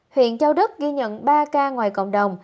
huyện châu đức ghi nhận ba ca ngoài cộng đồng